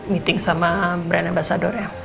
meeting sama brian ambassador ya